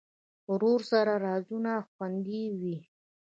ورور سره رازونه خوندي وي.